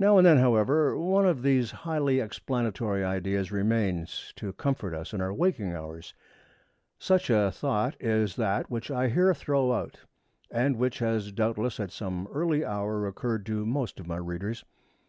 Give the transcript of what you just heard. Now and then, however, one of these highly explanatory ideas remains to comfort us in our waking hours. Such a thought is that which I here throw out, and which has doubtless at some early hour occurred to most of my readers.